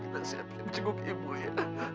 kita siapkan cengkup ibu ya